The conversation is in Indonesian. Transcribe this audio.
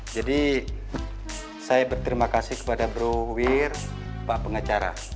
jadi saya berterima kasih kepada bro wir pak pengecara